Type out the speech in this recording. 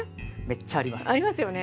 めっちゃあります。